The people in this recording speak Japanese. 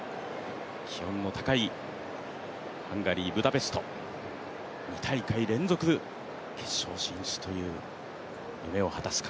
気温の高いハンガリー・ブダペスト２大会連続決勝進出となる夢を果たすか。